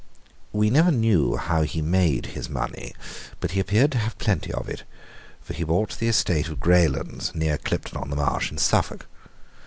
We never knew how he made his money, but he appeared to have plenty of it, for he bought the estate of Greylands, near Clipton on the Marsh, in Suffolk.